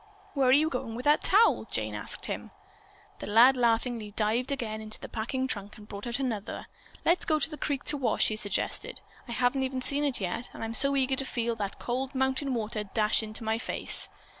"Where are you going with that towel?" Jane asked him. The lad laughingly dived again into the packing trunk and brought out another. "Let's go to the creek to wash," he suggested. "I haven't even seen it yet, and I'm ever so eager to feel that cold mountain water dash into my face."